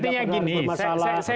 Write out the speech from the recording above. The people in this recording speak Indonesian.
ada tidak penolong bermasalah